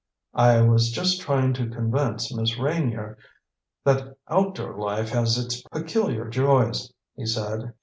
"I was just trying to convince Miss Reynier that outdoor life has its peculiar joys," he said.